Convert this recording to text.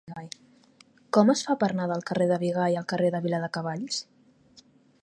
Com es fa per anar del carrer de Bigai al carrer de Viladecavalls?